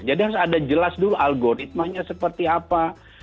jadi harus ada jelas dulu algoritmanya seperti apa